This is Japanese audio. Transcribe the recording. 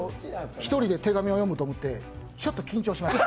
１人で手紙を読むと思って、ちょっと緊張しました。